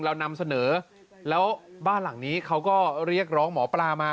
เรานำเสนอแล้วบ้านหลังนี้เขาก็เรียกร้องหมอปลามา